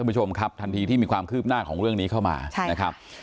คุณผู้ชมครับทันทีที่มีความคืบหน้าของเรื่องนี้เข้ามานะครับ